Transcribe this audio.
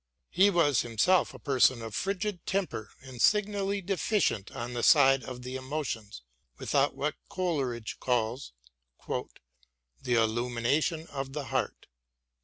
He was himself a person of frigid temper and signally deficient on the side of the emotions, without what Coleridge calls " the illumination of the heart."